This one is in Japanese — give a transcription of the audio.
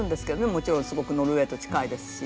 もちろんすごくノルウェーと近いですし。